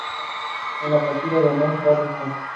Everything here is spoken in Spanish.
Es la patria de Honor Harrington.